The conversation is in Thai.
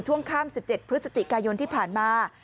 ช่วงข้าม๑๗พฤศจิกายนที่ผ่านมา